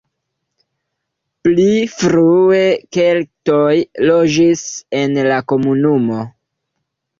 Pli frue keltoj loĝis en la komunumo.